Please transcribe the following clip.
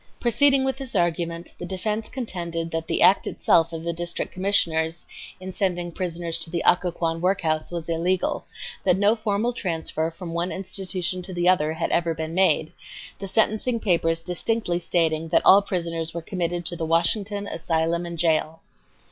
Proceeding with this argument, the defense contended that the act itself of the District Commissioners in sending prisoners to the Occoquan workhouse was illegal; that no formal transfer from one institution to another had ever been made, the sentencing papers distinctly stating that all prisoners were committed to "the Washington Asylum and Jail."